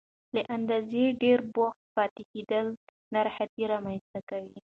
له اندازې ډېر بوخت پاتې کېدل ناراحتي رامنځته کوي.